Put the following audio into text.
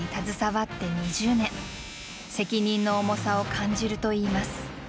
責任の重さを感じるといいます。